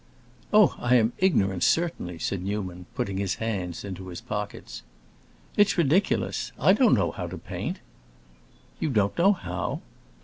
"Oh, I am ignorant, certainly," said Newman, putting his hands into his pockets. "It's ridiculous! I don't know how to paint." "You don't know how?"